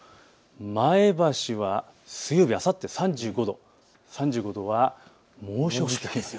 前橋は水曜日、あさって３５度、３５度は猛暑日です。